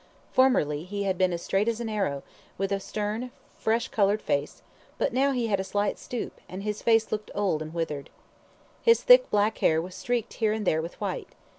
Formerly, he had been as straight as an arrow, with a stern, fresh coloured face; but now he had a slight stoop, and his face looked old and withered. His thick, black hair was streaked here and there with white.